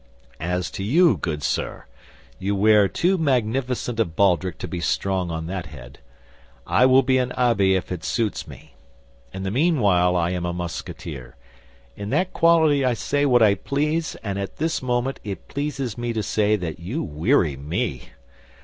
As to you, good sir, you wear too magnificent a baldric to be strong on that head. I will be an abbé if it suits me. In the meanwhile I am a Musketeer; in that quality I say what I please, and at this moment it pleases me to say that you weary me."